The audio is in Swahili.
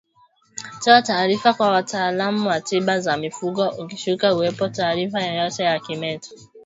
Toa taarifa kwa wataalamu wa tiba za mifugo ukishuku kuwepo taarifa yoyote ya kimeta